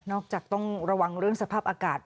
จากต้องระวังเรื่องสภาพอากาศ